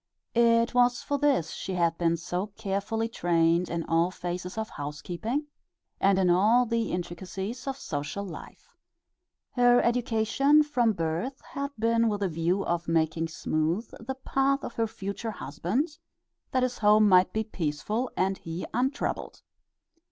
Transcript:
It was for this she had been so carefully trained in all phases of housekeeping, and in all the intricacies of social life. Her education from birth had been with a view of making smooth the path of her future husband that his home might be peaceful and he untroubled.